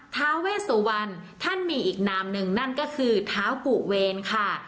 ท้าเวสวรรณท่านมีอีกนามหนึ่งนั่นก็คือเท้าปู่เวรค่ะ